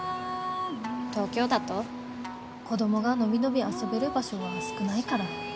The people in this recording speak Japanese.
東京だと子供が伸び伸び遊べる場所は少ないから。